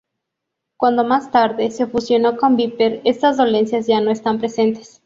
Cuando más tarde, se fusionó con Viper, estas dolencias ya no están presentes.